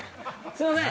すいません。